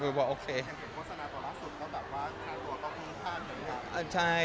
เกี่ยวกับโฆษณาต่อล่าสุดเขาแบบว่าขนาดตัวก็คืนค่านั้นเนี่ย